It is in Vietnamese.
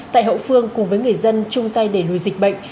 tại hậu phương cùng với người dân chung tay để lùi dịch bệnh